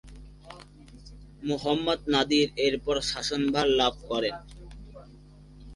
মুহাম্মদ নাদির এরপর শাসনভার লাভ করেন।